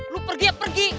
lu pergi ya pergi